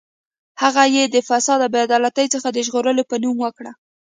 هغه یې د فساد او بې عدالتۍ څخه د ژغورلو په نوم وکړ.